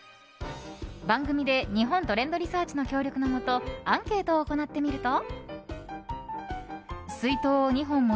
番組で日本トレンドリサーチの協力のもとアンケートを行ってみると。